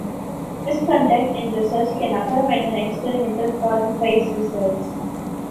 Misconduct in research can occur when an experimenter falsifies results.